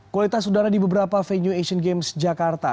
kualitas udara di beberapa venue asian games jakarta